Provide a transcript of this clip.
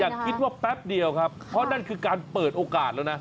คิดว่าแป๊บเดียวครับเพราะนั่นคือการเปิดโอกาสแล้วนะ